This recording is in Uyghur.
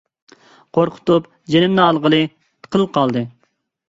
قورقۇتۇپ جېنىمنى ئالغىلى قىل قالدى!